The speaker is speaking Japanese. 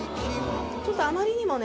ちょっとあまりにもね